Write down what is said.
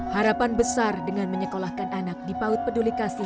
harapan besar dengan menyekolahkan anak di paut pedulikasi